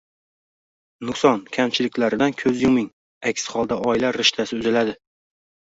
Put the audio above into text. nuqson- kamchiliklaridan ko‘z yuming. Aks holda oila rishtasi uziladi.